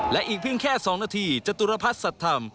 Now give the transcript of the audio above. และอีกเพียงแค่๒นาทีจตุรพัฒน์สัตว์ธรรม